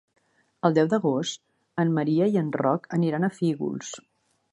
El deu d'agost en Maria i en Roc aniran a Fígols.